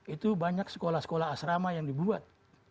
itu banyak sekolah sekolah asrama yang dibuat